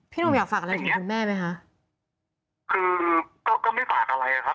พี่นุ่มอยากฝากอะไรเร็วถึงแม่ไหมคะ